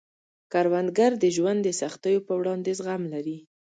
کروندګر د ژوند د سختیو په وړاندې زغم لري